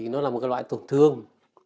nó là một loại tổn thương